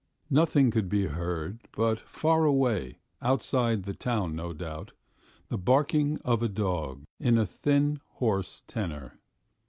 Nothing could be heard but far away, outside the town no doubt, the barking of a dog in a thin, hoarse tenor.